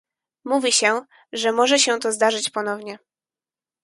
Mówi się, że może się to zdarzyć ponownie